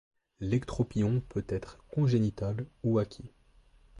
L'ectropion peut être congénital ou acquis.